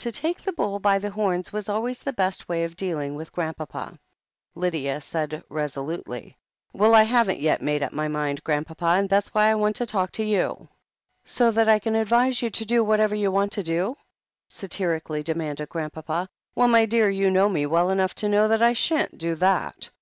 To take the bull by the horns was always the best way of dealing with Grandpapa. Lydia said resolutely : "Well, I haven't yet made up my mind. Grandpapa, that's why I want to talk to you." THE HEEL OF ACHILLES 83 "So that I can advise you to do whatever you want to do?*' satirically demanded Grandpapa. "Well, my dear, you know me well enough to know that I shan't do that.